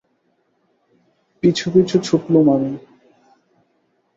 পিছু পিছু ছুটলুম আমি।